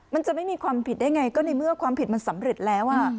มันจะไม่มีความผิดได้ไงก็ในเมื่อความผิดมันสำเร็จแล้ว